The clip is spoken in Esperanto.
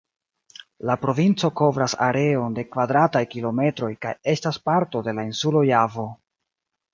La provinco kovras areon de kvadrataj kilometroj kaj estas parto de la insulo Javo.